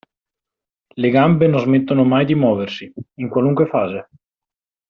Le gambe non smettono mai di muoversi, in qualunque fase.